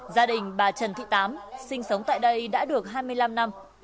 gia đình bà trần thị tám sinh sống tại đây đã được hai mươi năm năm